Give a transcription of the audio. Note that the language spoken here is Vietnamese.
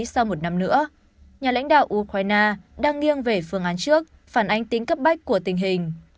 sau một năm nữa nhà lãnh đạo ukraine đang nghiêng về phương án trước phản ánh tính cấp bách của tình hình